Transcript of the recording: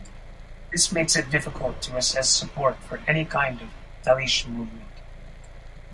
This makes it difficult to assess support for any kind of Talysh movement.